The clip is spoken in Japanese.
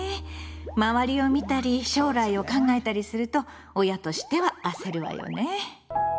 周りを見たり将来を考えたりすると親としては焦るわよね。